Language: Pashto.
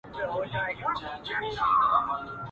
مېنه به تشه له میړونو وي سیالان به نه وي.